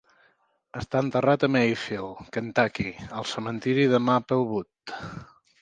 Està enterrat a Mayfield, Kentucky, al cementiri de Maplewood.